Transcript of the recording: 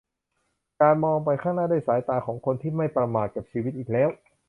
การมองไปข้างหน้าด้วยสายตาของคนที่ไม่ประมาทกับชีวิตอีกแล้ว